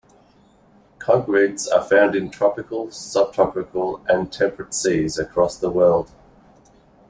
Congrids are found in tropical, subtropical and temperate seas across the world.